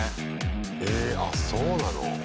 ええっ、あ、そうなの？